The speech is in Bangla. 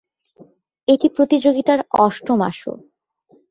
এটি প্রতিযোগিতার অষ্টম আসর।